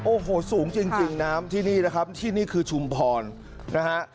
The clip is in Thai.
โอ้โหสูงจริงน้ำที่นี่นะครับที่นี่คือชุมพรนะฮะ